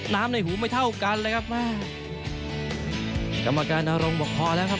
ในหูไม่เท่ากันเลยครับแม่กรรมการอารมณ์บอกพอแล้วครับ